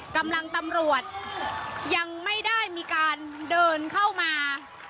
กำลังตำรวจยังไม่ได้มีการเดินเข้ามา